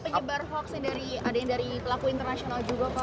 yang penyebar hoax dari pelaku internasional juga pak